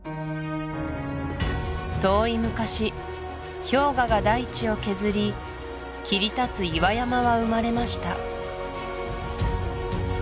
遠い昔氷河が大地を削り切り立つ岩山は生まれました